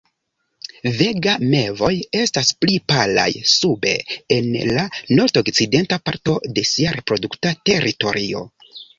Vega mevoj estas pli palaj sube en la nordokcidenta parto de sia reprodukta teritorio.